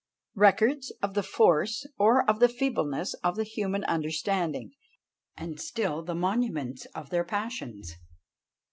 records of the force or of the feebleness of the human understanding, and still the monuments of their passions.